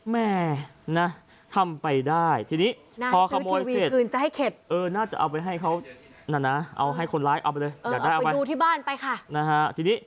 แม่ทำไปได้พอขโมยเสร็จน่าจะเอาไปให้เขาเอาไปดูที่บ้านไปค่ะ